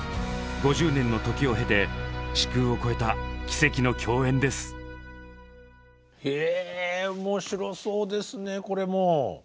５０年の時を経て時空を超えた奇跡の共演です！へ面白そうですねこれも。